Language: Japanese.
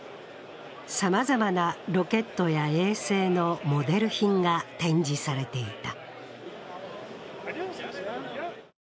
さまざまなロケットや衛星のモデル品が展示されていた。